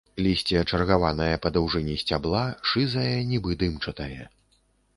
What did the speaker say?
Лісце чаргаванае па даўжыні сцябла, шызае, нібы дымчатае.